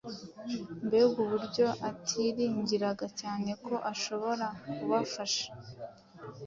Mbega uburyo atiringiraga cyane ko ashobora kubafasha!